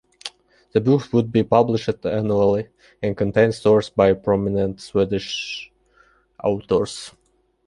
The books would be published annually, and contain stories by prominent Swedish authors.